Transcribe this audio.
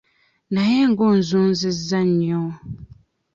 Naye nga onzunzizza nnyo.